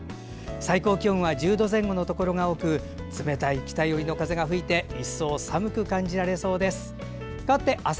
最高気温は１０度前後のところが多く冷たい北寄りの風が吹いて一層、寒く感じられそうです。